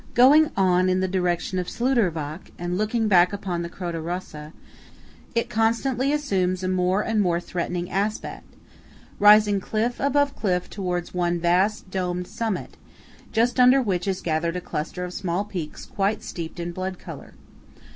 Going on in the direction of Schluderbach and looking back upon the Croda Rossa, it constantly assumes a more and more threatening aspect, rising cliff above cliff towards one vast domed summit, just under which is gathered a cluster of small peaks quite steeped in blood colour.